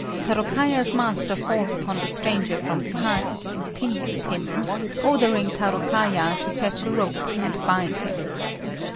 Tarôkaja's master falls upon the stranger from behind, and pinions him, ordering Tarôkaja to fetch a rope and bind him.